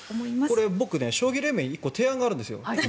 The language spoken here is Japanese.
これ、将棋連盟に１個提案があるんです。